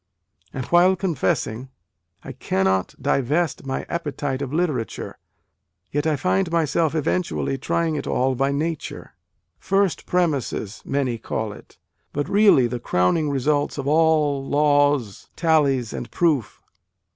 And, while confessing, " I cannot divest my appetite of literature, yet I find myself eventually trying it all by Nature first premises many call it, but really the crowning results of all, laws, tallies and proofs